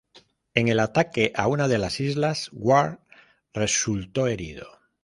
En el ataque a una de las islas, Guard resultó herido.